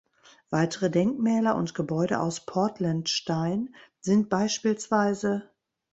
Weitere Denkmäler und Gebäude aus Portland-Stein sind beispielsweise